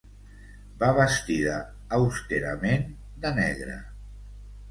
Va vestida austerament, de negre.